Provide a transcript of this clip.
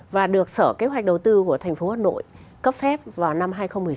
và được sở kế hoạch đầu tư của tp hcm cấp phép vào năm hai nghìn một mươi sáu